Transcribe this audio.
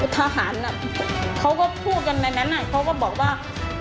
ทหารเขาก็พูดกันในนั้นเขาก็บอกว่า